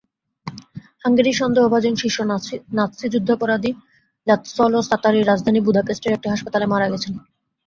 হাঙ্গেরির সন্দেহভাজন শীর্ষ Nazi যুদ্ধাপরাধী লাৎসলো safari রাজধানী বুদাপেস্টের একটি হাসপাতালে মারা গেছেন।